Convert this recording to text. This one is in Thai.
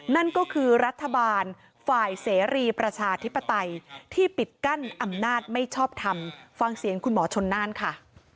นั่นก็คือรัฐบาลฝ่ายเสรีประชาธิปไตยที่ปิดกั้นอำนาจไม่ชอบทำฟังเสียงคุณหมอชนน่านค่ะ